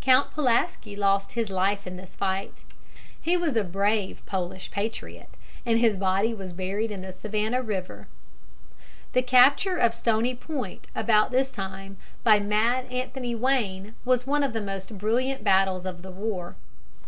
Count Pulaski lost his life in this fight. He was a brave Polish patriot, and his body was buried in the Savannah River. The capture of Stony Point about this time by "Mad Anthony Wayne" was one of the most brilliant battles of the war. [Illustration: THE ONLY THING WAYNE WAS AFRAID OF.